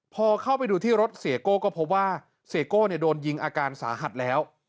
พอเข้าไปดูที่รถเสียโก้ก็พบว่าเสียโก้โดนยิงอาการสาหัสแล้ว